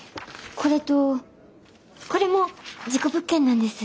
これとこれも事故物件なんです。